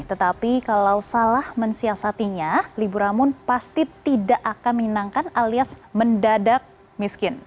tetapi kalau salah mensiasatinya libur amun pasti tidak akan menyenangkan alias mendadak miskin